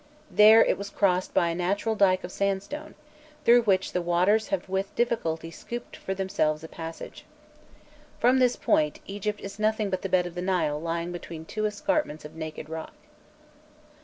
There, it was crossed by a natural dyke of sandstone, through which the waters have with difficulty scooped for themselves a passage. From this point, Egypt is nothing but the bed of the Nile lying between two escarpments of naked rock.